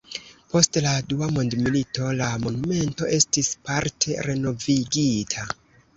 Post la dua mondmilito la monumento estis parte renovigita.